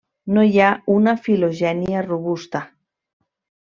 No hi ha una filogènia robusta.